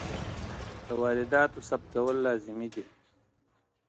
د وارداتو ثبت کول لازمي دي.